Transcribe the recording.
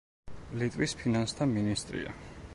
ლიტვის ფინანსთა მინისტრია.